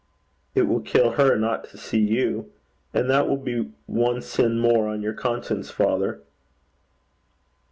'It will kill her not to see you; and that will be one sin more on your conscience, father.'